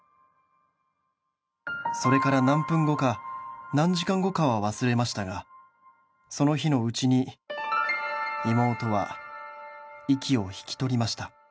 「それから何分後か何時間後かは忘れましたがその日のうちに妹は息を引き取りました」